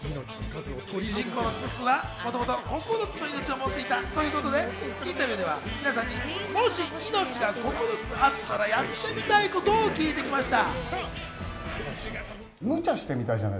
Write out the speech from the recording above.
主人公のプスはもともと９つの命を持っていたということで、インタビューで皆さんにもし命が９つあったら、やってみたいことを聞いてきました。